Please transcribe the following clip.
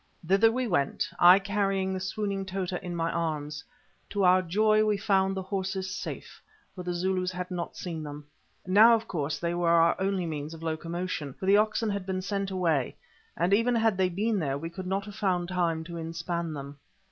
Thither we went, I carrying the swooning Tota in my arms. To our joy we found the horses safe, for the Zulus had not seen them. Now, of course, they were our only means of locomotion, for the oxen had been sent away, and even had they been there we could not have found time to inspan them.